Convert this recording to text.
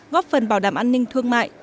góp phần bảo đảm an ninh thương mại